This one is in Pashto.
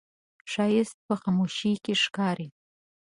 ښایست په خاموشۍ کې ښکاري